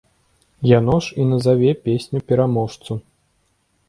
Яно ж і назаве песню-пераможцу.